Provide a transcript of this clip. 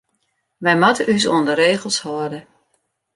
Wy moatte ús oan de regels hâlde.